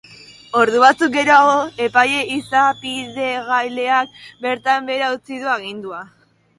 Ordu batzuk geroago, epaile izapidegileak bertan behera utzi du agindua.